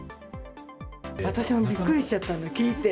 私もびっくりしちゃったの、聞いて。